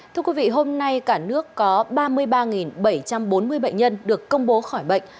thưa quý vị hôm nay cả nước có ba mươi ba bảy trăm bốn mươi bệnh nhân được công bố khỏi bệnh